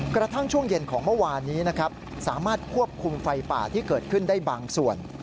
กระทั่งช่วงเย็นของเมื่อวานนี้นะครับสามารถควบคุมไฟป่าที่เกิดขึ้นได้บางส่วน